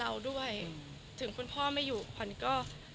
และโดยยัดเราด้วยถึงคุณพ่อไม่อยู่ขวัญก็